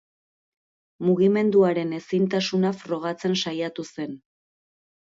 Mugimenduaren ezintasuna frogatzen saiatu zen.